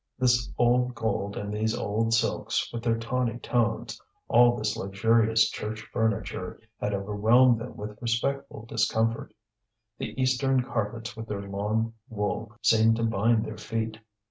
This old gold and these old silks, with their tawny tones, all this luxurious church furniture, had overwhelmed them with respectful discomfort. The eastern carpets with their long wool seemed to bind their feet.